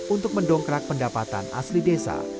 untuk mendongkrak pendapatan asli desa